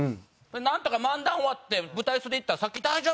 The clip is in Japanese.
なんとか漫談終わって舞台袖行ったらさっき大丈夫？